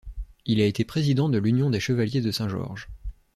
Il a été président de l'Union des Chevaliers de Saint-Georges.